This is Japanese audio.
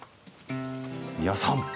美輪さん